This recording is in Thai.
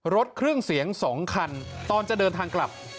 รถเครื่องเสียง๒คันตอนจะเดินทางกลับ